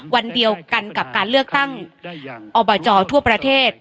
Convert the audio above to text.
วันเดียวกันกับการเลือกตั้งอบจทั่วประเทศ